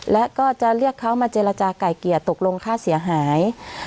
และก็จะเรียกเขามาเจรจาไก่เกลี่ยตกลงค่าเสียหาย